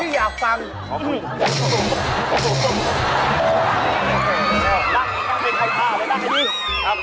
พี่อยากฟัง